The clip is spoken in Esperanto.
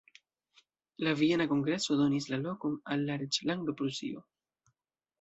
La Viena kongreso donis la lokon al la reĝlando Prusio.